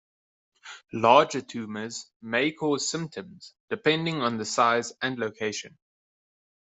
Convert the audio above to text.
Larger tumors may cause symptoms, depending on the size and location.